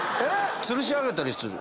つるし上げたりする。